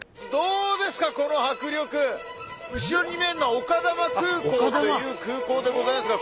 後ろに見えるのは丘珠空港という空港でございますが。